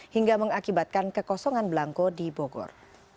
hingga mengakibatkan kekosongan belangko di bogor